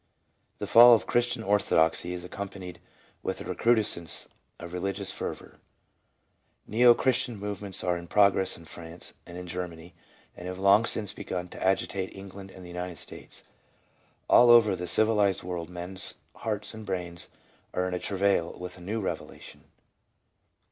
1 The fall of Christian orthodoxy is accompanied with a recrudescence of religious fervor. Neo Christian movements are in progress in France 2 and in Germany, and have long since begun to agitate England and the United States. All over the civilized world men's hearts and brains are in travail with a new Eevelation.